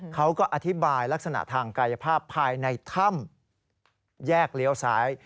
เขาก็อธิบายลักษณะทางกายภาพภายในถ้ำแยกเลี้ยวซ้าย